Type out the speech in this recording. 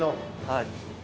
はい。